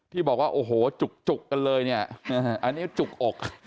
ที่บอกว่าโอ้โหจุกกันเลยเนี่ยอันนี้จุกอก